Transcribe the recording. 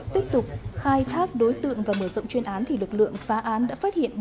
tiếp tục khai thác đối tượng và mở rộng chuyên án thì lực lượng phá án đã phát hiện